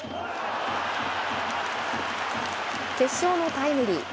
決勝のタイムリー。